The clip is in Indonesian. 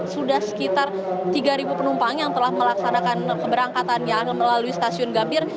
sudah sekitar tiga ribu penumpang yang telah melaksanakan perberangkatannya melalui sasyun gambir